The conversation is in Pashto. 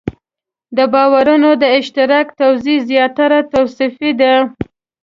د باورونو د اشتراک توضیح زیاتره توصیفي ده.